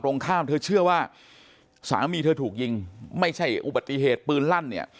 ตรงข้ามเธอเชื่อว่าสามีเธอถูกยิงไม่ใช่อุบัติเหตุปืนลั่นเนี่ย